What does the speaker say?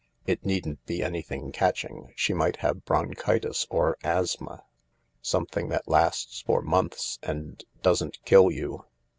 "It needn't be anything catching. She might have bronchitis or asthma — something that lasts for months and doesn't kill you.